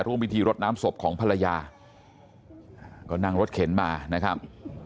ร่วมพิธีรดน้ำศพของภรรยาก็นั่งรถเข็นมานะครับ